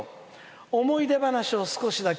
思い出話を少しだけ。